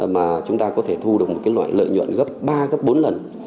mà chúng ta có thể thu được một loại lợi nhuận gấp ba gấp bốn lần